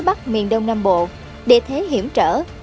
bắc miền đông nam bộ đề thế hiểm trở